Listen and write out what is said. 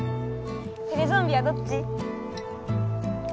テレゾンビはどっち？